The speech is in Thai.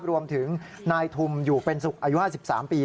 รวมถึงนายทุมอยู่เป็นสุขอายุ๕๓ปี